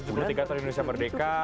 tujuh puluh tiga tahun indonesia merdeka